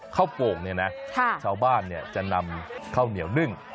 ข้าวโฟงเนี่ยนะชาวบ้านเนี่ยจะนำข้าวเหนียวนึ่ง